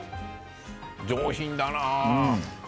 上品だな。